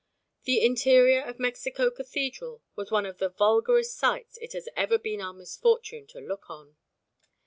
The interior of Mexico Cathedral was one of the vulgarest sights it has ever been our misfortune to look on.